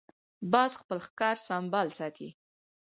باز خپل ښکار سمبال ساتي